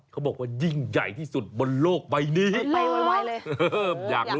เค้าบอกว่ายิ่งใหญ่ที่สุดบนโลกไว้นี้อย่างโน่น